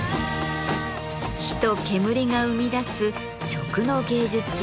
火と煙が生み出す食の芸術「燻製」。